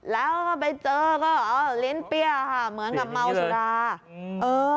แล้วก็ไปเจอก็เออลิ้นเปี้ยค่ะเหมือนกับเมาสุราอืมเออ